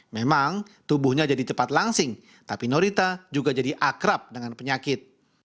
memang tubuhnya jadi cepat langsing tapi norita juga jadi akrab dengan penyakit